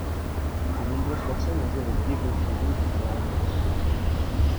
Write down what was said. De nombreuses personnes ont joué avec des briques Lego durant leur enfance.